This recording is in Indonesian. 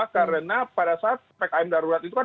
karena pada saat ppkm darurat itu kan